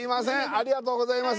ありがとうございます